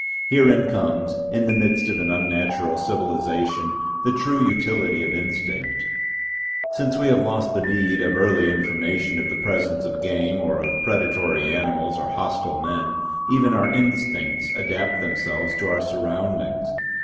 Herein comes, in the midst of an unnatural civilisation, the true utility of instinct. Since we have lost the need of early information of the presence of game or of predatory animals or hostile men, even our instincts adapt themselves to our surroundings.